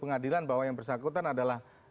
pengadilan bahwa yang bersangkutan adalah